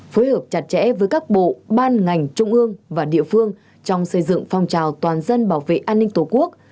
phối hợp chặt chẽ với các bộ ban ngành trung ương và địa phương trong xây dựng phong trào toàn dân bảo vệ an ninh tổ quốc